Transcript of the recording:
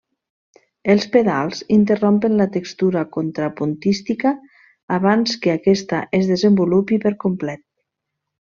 Els pedals interrompen la textura contrapuntística abans que aquesta es desenvolupi per complet.